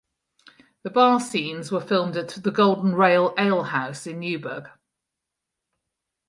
The bar scenes were filmed at The Golden Rail Ale House in Newburgh.